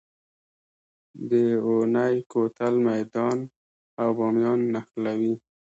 د اونی کوتل میدان او بامیان نښلوي